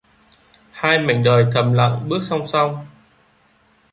Hai mảnh đời thầm lặng bước song song